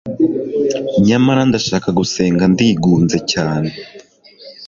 Nyamara ndashaka gusenga ndigunze cyane